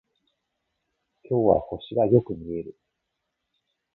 今日は星がよく見える